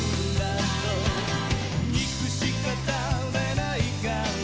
「肉しか食べないから」